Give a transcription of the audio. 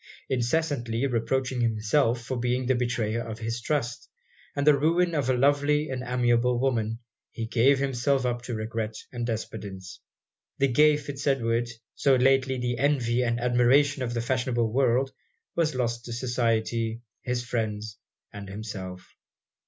Incessantly reproaching himself for being the betrayer of his trust, and the ruin of a lovely and amiable woman, he gave himself up to regret and despondence. The gay Fitz Edward, so lately the envy and admiration of the fashionable world, was lost to society, his friends, and himself.